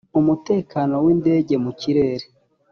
umutekano w indege mu kirere